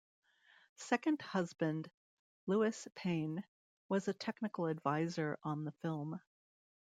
Second husband Louis Payne was a technical adviser on the film.